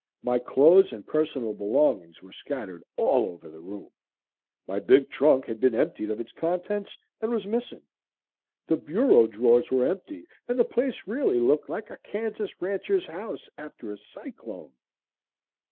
My clothes and personal belongings were scattered all over the room, my big trunk had been emptied of its contents and was missing. The bureau drawers were empty and the place really looked like a Kansas rancher's house after a cyclone.